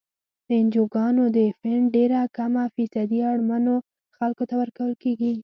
د انجوګانو د فنډ ډیره کمه فیصدي اړمنو خلکو ته ورکول کیږي.